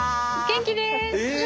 元気です！